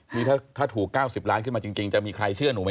นี่ถ้าถูก๙๐ล้านขึ้นมาจริงจะมีใครเชื่อหนูไหม